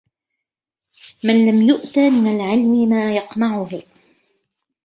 مَنْ لَمْ يُؤْتَ مِنْ الْعِلْمِ مَا يَقْمَعُهُ